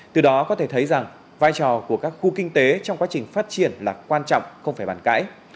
từ đó có thể thấy rằng vai trò của các khu kinh tế trong quá trình phát triển là quan trọng không phải bàn cãi